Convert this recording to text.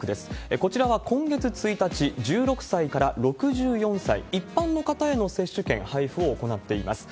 こちらは今月１日、１６歳から６４歳、一般の方への接種券配布を行っています。